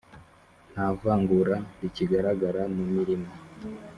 nta vangura rikigaragara mu mirimo